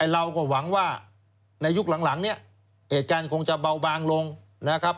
เราก็หวังว่าในยุคหลังเนี่ยเหตุการณ์คงจะเบาบางลงนะครับ